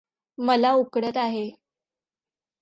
मला उकडत आहे.